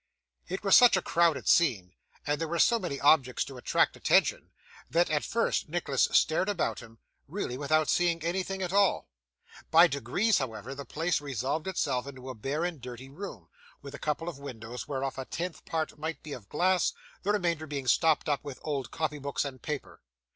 It was such a crowded scene, and there were so many objects to attract attention, that, at first, Nicholas stared about him, really without seeing anything at all. By degrees, however, the place resolved itself into a bare and dirty room, with a couple of windows, whereof a tenth part might be of glass, the remainder being stopped up with old copy books and paper.